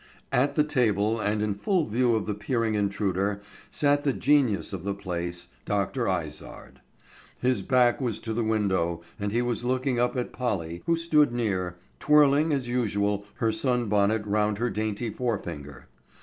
At the table and in full view of the peering intruder sat the genius of the place, Dr. Izard. His back was to the window and he was looking up at Polly, who stood near, twirling as usual her sunbonnet round her dainty forefinger.